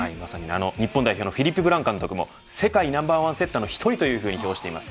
日本代表のフィリップ・ブラン監督も世界ナンバーワンセッターの１人と評しています。